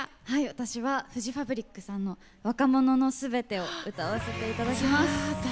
私はフジファブリックさんの「若者のすべて」を歌わせていただきます。